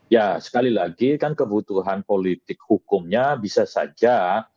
ya sekali lagi kan kebutuhan politik hukumnya bisa saja